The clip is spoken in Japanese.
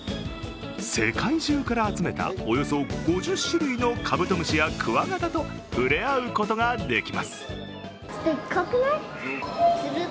世界中から集めたおよそ５０種類のカブトムシやクワガタと触れ合うことができます。